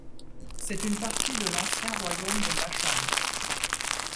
C'est une partie de l'ancien royaume de Bashân.